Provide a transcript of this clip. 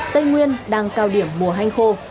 tây nguyên đang cao điểm mùa hanh khô